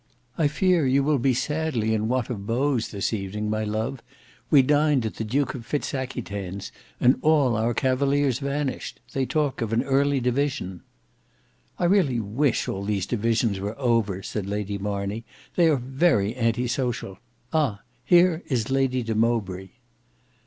"I fear you will be sadly in want of beaus this evening, my love. We dined at the Duke of Fitz Aquitaine's, and all our cavaliers vanished. They talk of an early division." "I really wish all these divisions were over," said Lady Marney. "They are very anti social. Ah! here is Lady de Mowbray."